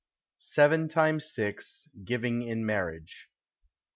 SEVEN TIMES SIX. GIVING IN MA Illtl AGE.